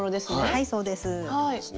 はいそうです。